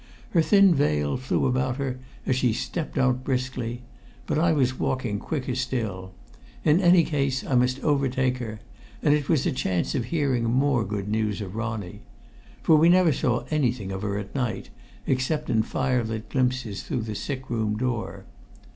Her thin veil flew about her as she stepped out briskly, but I was walking quicker still; in any case I must overtake her, and it was a chance of hearing more good news of Ronnie; for we never saw anything of her at night, except in firelit glimpses through the sick room door.